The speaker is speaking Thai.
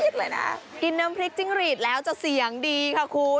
กินน้ำพริกจิ้งหรีดแล้วจะเสียงดีค่ะคุณ